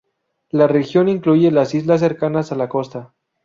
La región incluye las islas cercanas a la costa.